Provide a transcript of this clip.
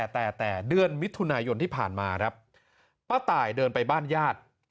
แต่เดือนมิถุนายนที่ผ่านมาครับป้าตายเดินไปบ้านญาติ